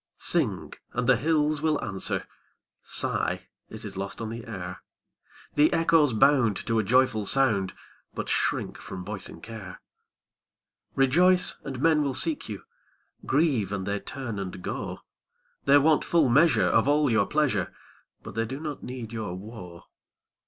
Sing, and the hills will answer; Sigh, it is lost on the air; The echoes bound to a joyful sound, But shrink from voicing care. Rejoice, and men will seek you; Grieve, and they turn and go; They want full measure of all your pleasure, But they do not need your woe.